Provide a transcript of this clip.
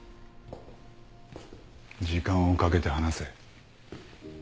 時間をかけて話せ。